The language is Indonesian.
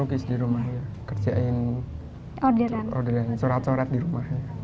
lukis di rumahnya kerjain orderan corot corot di rumahnya